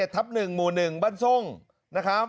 ทับ๑หมู่๑บ้านทรงนะครับ